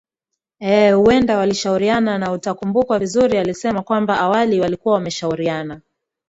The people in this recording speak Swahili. eeh huenda walishauriana na utakumbukwa vizuri alisema kwamba awali walikuwa wameshauriana